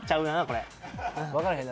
これ分からへん